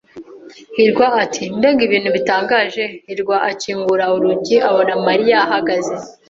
hirwa ati: "Mbega ibintu bitangaje," hirwa akingura urugi abona Mariya ahagaze.